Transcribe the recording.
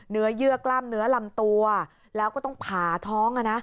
เยื่อกล้ามเนื้อลำตัวแล้วก็ต้องผ่าท้อง